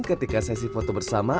ketika sesi foto bersama